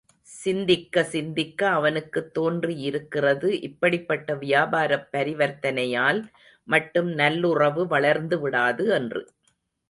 சிந்திக்கச் சிந்திக்க அவனுக்கு தோன்றியிருக்கிறது இப்படிப்பட்ட வியாபாரப் பரிவர்த்தனையால் மட்டும் நல்லுறவு வளர்ந்துவிடாது என்று.